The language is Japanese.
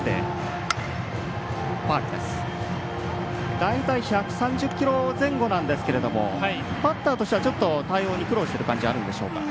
大体、１３０キロ前後なんですがバッターとしては対応に苦労している感じがあるんでしょうか。